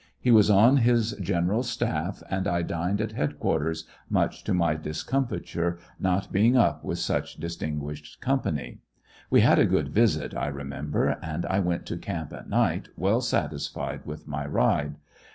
He was on his general's staff, and I dined at head quarters, much to my discomfiture, not being up with such distinguished company. We had a good visit, I re member, and I went to camp at night well satisfied with my ride.